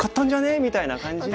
みたいな感じで。